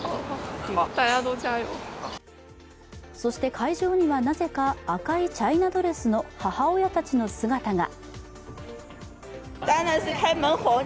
そして会場にはなぜか赤いチャイナドレスの母親たちの姿が。